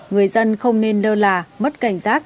người dân không nên đơ là mất cảnh giác